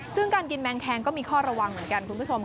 ซึ่งการกินแมงแคงก็มีข้อระวังเหมือนกันคุณผู้ชม